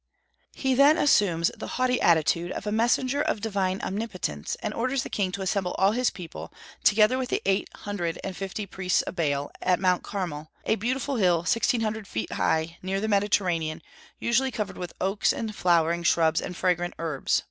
He then assumes the haughty attitude of a messenger of divine omnipotence, and orders the king to assemble all his people, together with the eight hundred and fifty priests of Baal, at Mount Carmel, a beautiful hill sixteen hundred feet high, near the Mediterranean, usually covered with oaks and flowering shrubs and fragrant herbs.